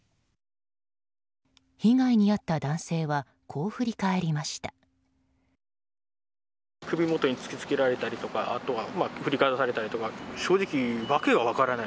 被害に遭った男性はこう振り返りました。